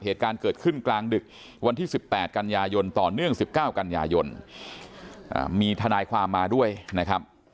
เหตุการณ์เกิดขึ้นกลางดึกวันที่๑๘กันยายนต่อเนื่อง๑๙กันยายนมีทนายความมาด้วยนะครับ